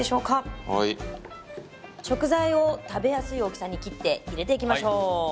食材を食べやすい大きさに切って入れていきましょう。